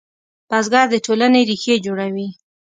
بزګر د ټولنې ریښې جوړوي